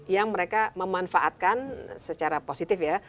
yang mereka memanfaatkan secara positif ya